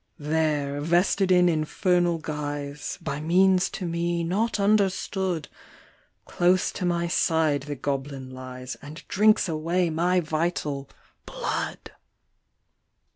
" There, vested in infernal guise, (By means to me not understood) Close to my side the goblin lies, And drinks away my vital blood